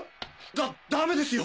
ダダメですよ！